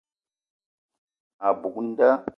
A buk nda.